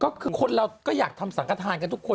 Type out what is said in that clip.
ก็คือคนเราก็อยากทำสังขทานกันทุกคน